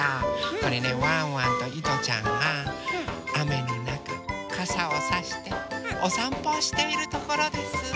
これねワンワンといとちゃんがあめのなかかさをさしておさんぽをしているところです。